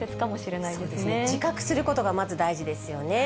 そうですね。自覚することがまず大事ですよね。